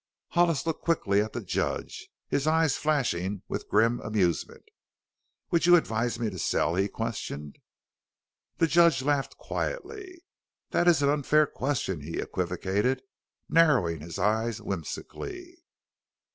Hollis looked quickly at the judge, his eyes flashing with grim amusement. "Would you advise me to sell?" he questioned. The judge laughed quietly. "That is an unfair question," he equivocated, narrowing his eyes whimsically.